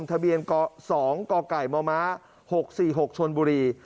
ทะเบียน๒กกมม๖๔๖ชนบุรี